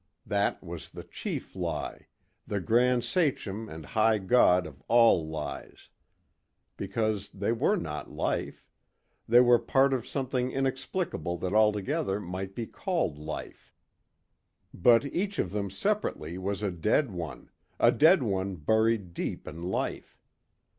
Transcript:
That was the chief lie, the Grand Sachem and High God of all lies. Because they were not life. They were part of something inexplicable that altogether might be called life. But each of them separately was a dead one, a dead one buried deep in life.